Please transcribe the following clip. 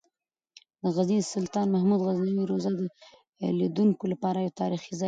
د غزني د سلطان محمود غزنوي روضه د لیدونکو لپاره یو تاریخي ځای دی.